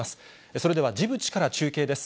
それではジブチから中継です。